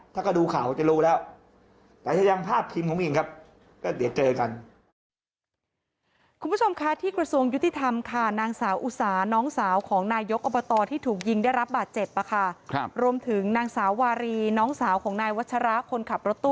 ถ้าก็ดูข่าวจะรู้แล้วแต่ถ้ายังภาพพิมพ์ของมีนครับ